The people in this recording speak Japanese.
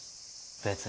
別に。